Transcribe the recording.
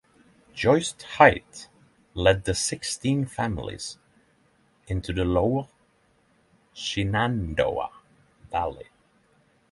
Joist Hite lead the "Sixteen Families" into the Lower Shenandoah Valley.